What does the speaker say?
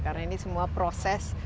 karena ini semua proses